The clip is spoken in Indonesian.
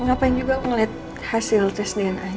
ngapain juga ngeliat hasil tes dna ini